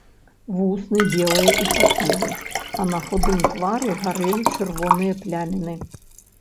Вусны белыя і сухія, а на худым твары гарэлі чырвоныя пляміны.